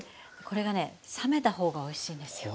これがね冷めた方がおいしいんですよ。